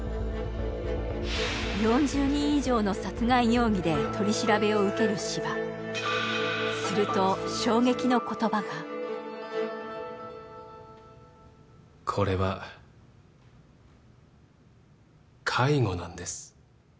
４０人以上の殺害容疑で取り調べを受ける斯波すると衝撃の言葉がこれは介護なんです